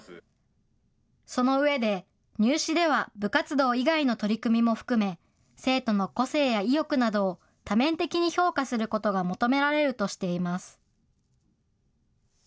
その上で、入試では部活動以外の取り組みも含め、生徒の個性や意欲などを多面的に評価することが求められるとしています。